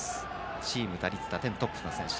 チームで打率、打点トップの選手。